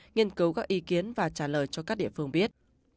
nghiên cứu các ý kiến và trả lời cho các địa phương biết